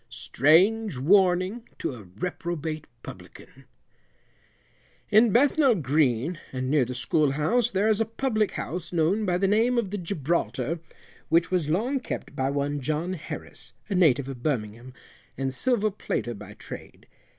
STRANGE WARNING TO A REPROBATE PUBLICAN. In Bethnal Green, and near the school house, there is a public house known by the name of the Gibraltar, which was long kept by one John Harris, a native of Birmingham, and silver plater by trade.